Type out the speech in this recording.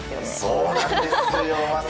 そうなんですよ！